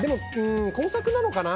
工作なのかな？